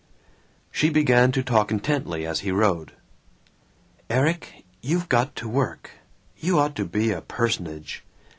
She began to talk intently, as he rowed: "Erik, you've got to work! You ought to be a personage.